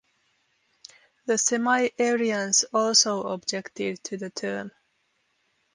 The Semi-Arians also objected to the term.